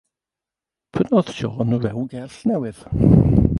Prynodd Siôn rewgell newydd.